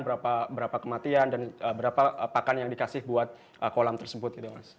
berapa berapa kematian dan berapa pakan yang dikasih buat kolam tersebut